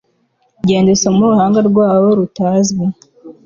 Genda usome uruhanga rwabo rutazwi